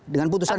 dengan putusan itu